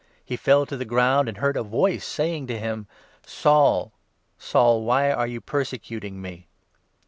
He fell 4 to the ground and heard a voice saying to him —" Saul, Saul, why are you persecuting me